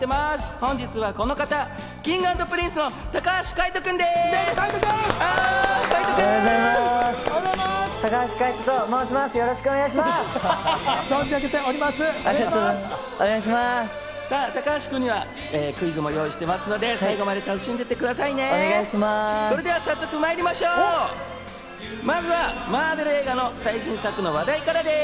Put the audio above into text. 本日はこの方、Ｋｉｎｇ＆Ｐｒｉｎｃｅの高橋海人君です。